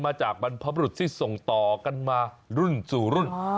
มาจากบรรพบรุษที่ส่งต่อกันมารุ่นสู่รุ่น